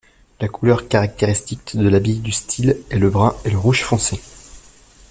La couleur caractéristique de l'habit du style est le brun et le rouge foncé.